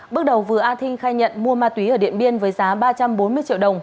bước đầu vừa a thinh khai nhận mua ma túy ở điện biên với giá ba trăm bốn mươi triệu đồng